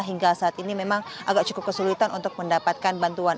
hingga saat ini memang agak cukup kesulitan untuk mendapatkan bantuan